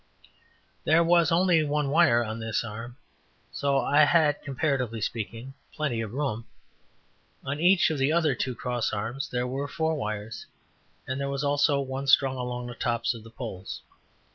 There was only one wire on this arm, so I had, comparatively speaking, plenty of room. On each of the other two cross arms there were four wires, and there was also one strung along the tops of the poles.